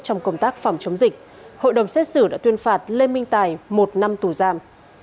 trong công tác phòng chống dịch hội đồng xét xử đã tuyên phạt lê minh tài một năm tù giam